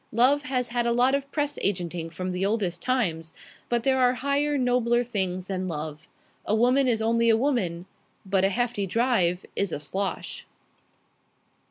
Love has had a lot of press agenting from the oldest times; but there are higher, nobler things than love. A woman is only a woman, but a hefty drive is a slosh.